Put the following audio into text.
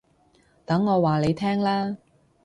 等我話你聽啦